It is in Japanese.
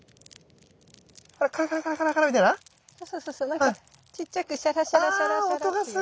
なんかちっちゃくシャラシャラシャラシャラっていう音が。